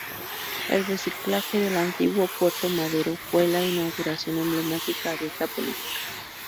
El reciclaje del antiguo Puerto Madero fue la inauguración emblemática de esta política.